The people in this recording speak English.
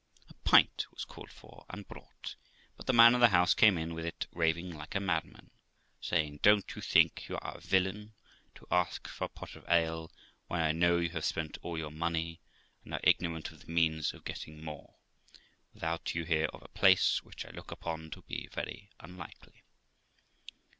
A pint was called for and brought; but the man of the house came in with it raving like a madman, saying, ' Don't you think you are a villain, to ask for a pot of ale when I know you have spent all your money, and are ignorant of the means of getting more, without you hear of a place, which I look upon to be very unlikely